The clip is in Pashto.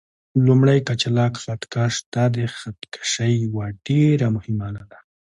لومړی: کچالک خط کش: دا د خط کشۍ یوه ډېره مهمه آله ده.